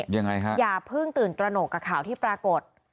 ยังไงฮะอย่าเพิ่งตื่นตระหนกกับข่าวที่ปรากฏ